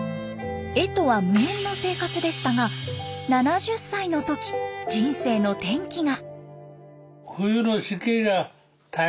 絵とは無縁の生活でしたが７０歳の時人生の転機が。